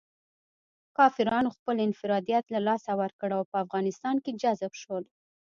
کافرانو خپل انفرادیت له لاسه ورکړ او په افغانستان کې جذب شول.